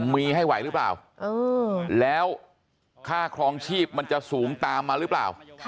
มีให้ไหวหรือเปล่าแล้วค่าครองชีพมันจะสูงตามมาหรือเปล่า